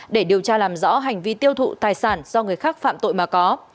để điều tra làm rõ hành vi tiêu thụ tài sản do người khác phạm tội mà có